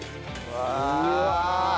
うわ！